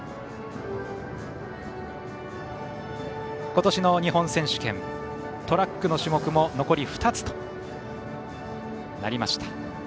ことしの日本選手権トラックの種目も残り２つとなりました。